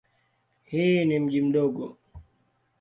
Hii ni mji mdogo.